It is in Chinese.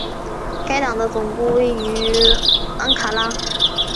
该党的总部位于安卡拉。